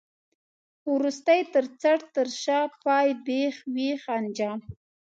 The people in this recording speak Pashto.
وروستی، تر څټ، تر شا، پای، بېخ، وېخ، انجام.